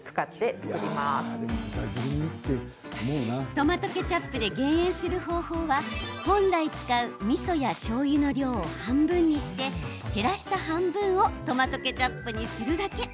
トマトケチャップで減塩する方法は本来使うみそやしょうゆの量を半分にして減らした半分をトマトケチャップにするだけ。